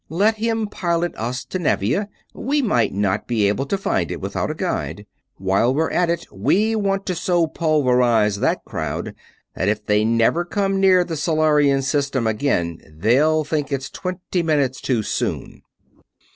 "Let him pilot us to Nevia; we might not be able to find it without a guide. While we're at it we want to so pulverize that crowd that if they never come near the Solarian system again they'll think it's twenty minutes too soon."